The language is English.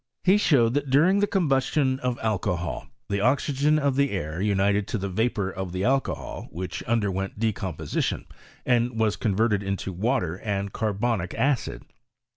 He showed that during the combustion of alcohol the oxygen of the air united to the vapour of the alcohol, which underwent decomposition, and was converted into water and carbonic acid.